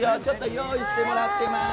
用意してもらっています。